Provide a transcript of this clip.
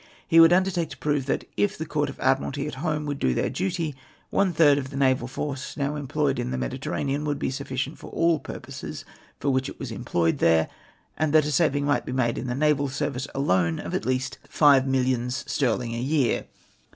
" He would undertake to prove that, if the Court of Ad miralty at home would do their duty, one third of the naval force now employed in the Mediterranean would be sufficient for all purposes for which it was employed there, and that a saving mio ht be made in the naval service alone of at least five millions sterling a year.